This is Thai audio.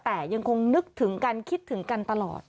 แต่ยังคงนึกถึงกันคิดถึงกันตลอด